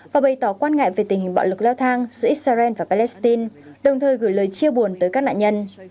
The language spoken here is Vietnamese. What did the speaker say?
và bày tỏ quan ngại về tình hình bạo lực leo thang giữa israel và palestine đồng thời gửi lời chia buồn tới các nạn nhân